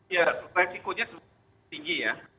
ya resikonya tinggi ya